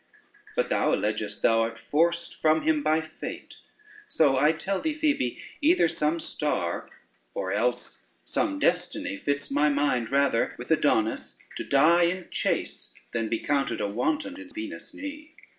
But thou allegest that thou art forced from him by fate: so I tell thee, Phoebe, either some star or else some destiny fits my mind, rather with Adonis to die in chase than be counted a wanton in Venus' knee.